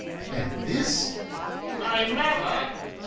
"And this " "Eh, Mother?"